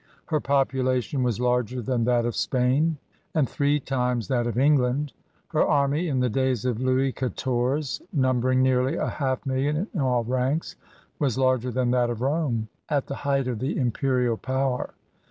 Her population was larger than that of Spain, and three times that of Eng land. Her army in the days of Louis Quatorze» numbering nearly a half million in all ranks, was larger than that T>f Rome at the height of the imperial power.